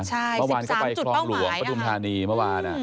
เมื่อวานก็ไปคลองหลวงปฐุมธานีเมื่อวาน